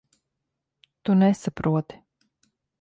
Tu nesaproti.